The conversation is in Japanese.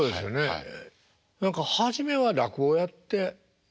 はい。